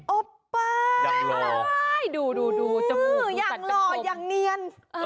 โอ้ป่าวดูอย่างหล่อยังเนียน